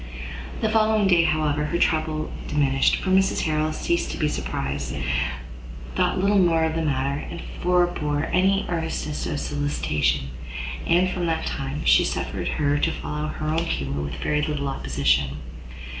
The following day, however, her trouble diminished; for Mrs Harrel, ceasing to be surprised, thought little more of the matter, and forbore any earnestness of solicitation: and, from that time, she suffered her to follow her own humour with very little opposition.